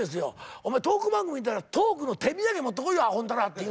「お前トーク番組出たらトークの手土産持ってこいよアホんだら！」って言うんですよ。